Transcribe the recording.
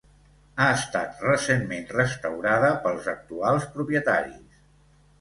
Ha estat recentment restaurada pels actuals propietaris.